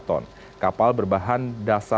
serta kapal tanpa awak untuk mengembangkan kapal